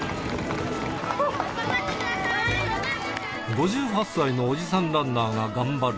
５８歳のおじさんランナーが頑張る